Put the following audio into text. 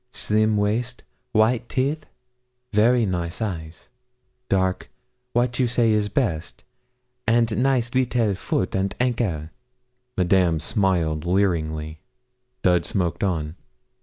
Slim waist, wite teeth, vary nice eyes dark wat you say is best and nice leetle foot and ankle.' Madame smiled leeringly. Dud smoked on.